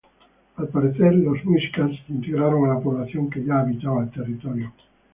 Al parecer los muiscas se integraron a la población que ya habitaba el territorio.